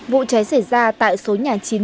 vụ cháy xảy ra tại số nhà chín mươi